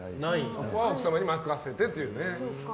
そこは奥様に任せてというね。